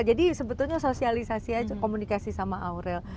jadi sebetulnya sosialisasi aja komunikasi sama aurel